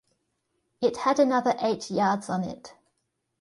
It had another eight yards on it.